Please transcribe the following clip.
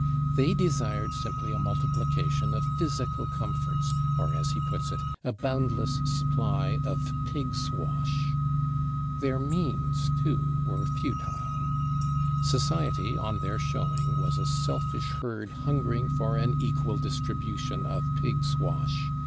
They desired simply a multiplication of physical comforts, or as he puts it, a boundless supply of "pigs wash." Their means too were futile. Society, on their showing, was a selfish herd hungering for an equal distribution of pigs wash.